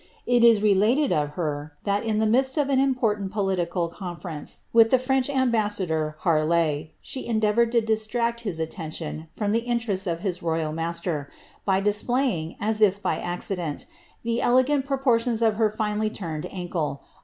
It is related of her, ti midst of an important political conference niih the French an Harlar, she endeavoured to distract his aitcmion from the in his royal master, by displayine . as if liy arciilent, the ele^an tinns of her finely turned ancle.'